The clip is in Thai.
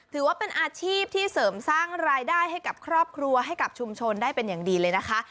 ถือว่าเป็นอาชีพที่เสริมสร้างรายได้ให้กับครอบครัวให้กับชุมชนได้เป็นอย่างดีเลยนะคะ